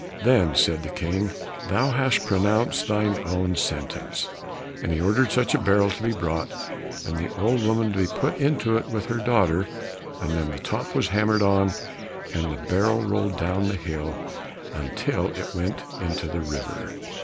"Then," said the King, "Thou hast pronounced thine own sentence;" and he ordered such a barrel to be brought, and the old woman to be put into it with her daughter, and then the top was hammered on, and the barrel rolled down hill until it went into the river.